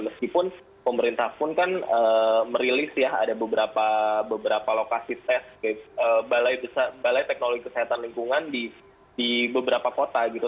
meskipun pemerintah pun kan merilis ya ada beberapa lokasi tes balai teknologi kesehatan lingkungan di beberapa kota gitu